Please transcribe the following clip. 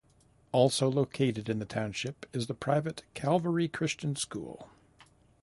Also located in the township is the private Calvary Christian School.